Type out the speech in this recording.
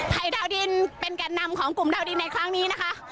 ดาวดินเป็นแก่นนำของกลุ่มดาวดินในครั้งนี้นะคะ